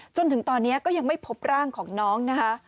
จนถึงตอนนี้ก็ยังไม่พบร่างของน้องนะคะ